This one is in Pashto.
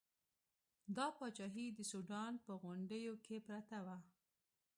دا پاچاهي د سوډان په غونډیو کې پرته وه.